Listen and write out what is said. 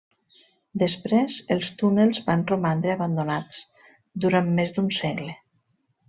Després, els túnels van romandre abandonats durant més d'un segle.